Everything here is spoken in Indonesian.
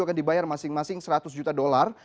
akan dibayar masing masing seratus juta dolar